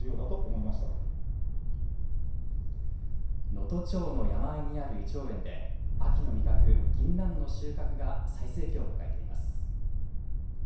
能登町の山あいにあるいちょう園で秋の味覚ぎんなんの収穫が最盛期を迎えています。